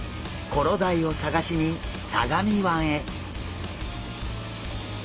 コロダイを探しに相模湾へ。